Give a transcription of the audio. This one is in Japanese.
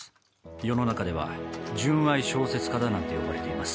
世の中では純愛小説家だなんて呼ばれています。